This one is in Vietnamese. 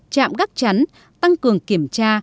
chạm gác chắn tăng cường kiểm tra